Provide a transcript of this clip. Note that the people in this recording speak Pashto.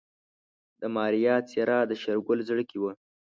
د ماريا څېره د شېرګل زړه کې وه.